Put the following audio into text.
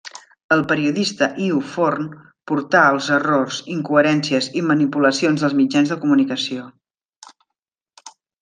El periodista Iu Forn portà els errors, incoherències o manipulacions dels mitjans de comunicació.